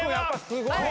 すごい！